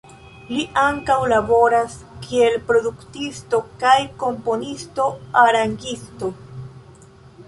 Li ankaŭ laboras kiel produktisto kaj komponisto-arangisto.